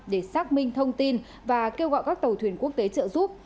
để xác minh thông tin và kêu gọi các tàu thuyền quốc tế trợ giúp